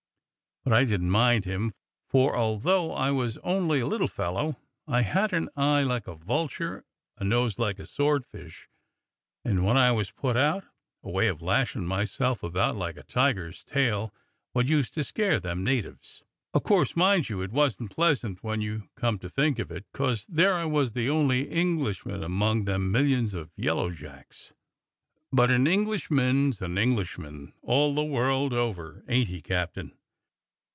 But I didn't mind him, for, although I was only a little fellow, I had an eye like a vulture, a nose like a swordfish, and when I was put out, a way of lashin' myself about like a tiger's tail wot used to scare them natives. O' course, mind you, it wasn't pleasant when you come to think of it, 'cos there I was the only Englishman amongst them millions of yellow jacks. But an Englishman's an Englishman all the world over, ain't he. Captain.